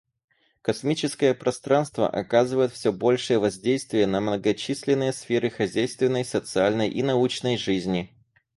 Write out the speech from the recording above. Космическое пространство оказывает все большее воздействие на многочисленные сферы хозяйственной, социальной и научной жизни.